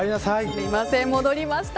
すいません、戻りました。